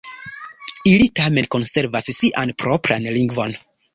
Ili tamen konservas sian propran lingvon.